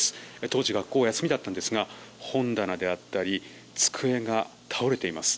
当時、学校は休みだったんですが本棚であったり机が倒れています。